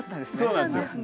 そうなんですよ。